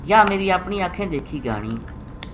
یاہ میری اپنی اکھیں دیکھی گہانی